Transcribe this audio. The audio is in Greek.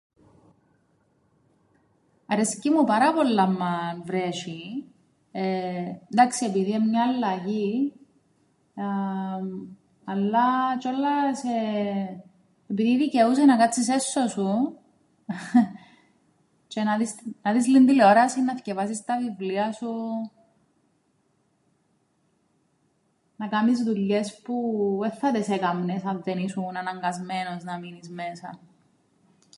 Αρέσκει μου πάρα πολλά άμμαν βρέσ̆ει ε εντάξει επειδή εν' μια αλλαγή εεεμ αλλά τζ̆ιόλας εεε επειδή δικαιούσαι να κάτσεις έσσω σου τζ̆αι να δεις, να δεις λλίην τηλεόρασην, να θκιεβάσεις τα βιλία σου, να κάμεις δουλειές που εν θα τες έκαμνες αν δεν ήσουν αναγκασμένος να μείνεις μέσα.